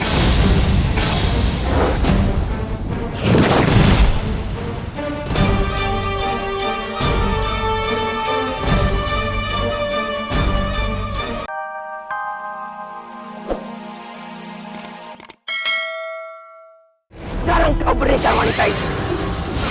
sekarang kau berdesa wanita itu